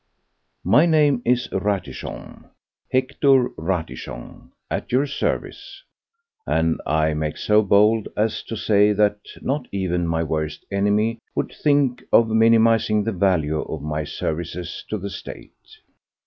My name is Ratichon—Hector Ratichon, at your service, and I make so bold as to say that not even my worst enemy would think of minimizing the value of my services to the State.